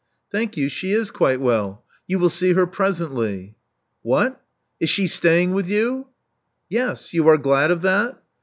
Thank you, she is quite well. You will see her presently." *'What! Is she staying with you?" Yes. You are glad of that?"